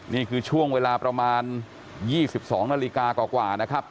นี่คือช่วงเวลาประมาณ๒๒นาฬิกากว่านะครับ